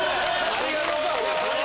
ありがとう！